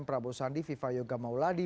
prabowo sandi viva yoga mauladi